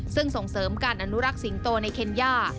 ซึ่งส่งเสริมการอนุรักษ์สิงโตในเคนย่า